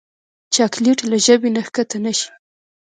چاکلېټ له ژبې نه کښته نه شي.